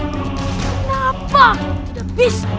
kenapa tidak bisa